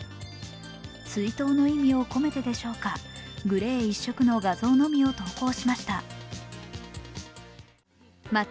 追悼の意味を込めてでしょうか、グレー一色の画像のみを投稿しました。